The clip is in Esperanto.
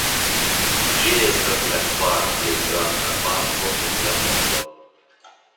Ĝi estas la kvara plej granda banko en la mondo.